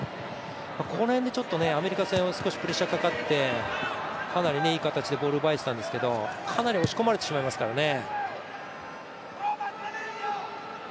この辺でアメリカ戦は少しプレッシャーかかってかなりいい形でボール奪えてたんですけどかなり押し込まれてしまいますからね。